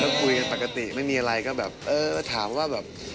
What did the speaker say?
ก็คุยกันปกติไม่มีอะไรก็แบบเออถามว่าแบบ